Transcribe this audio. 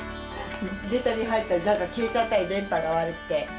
出たり入ったり消えちゃったり電波が悪くて。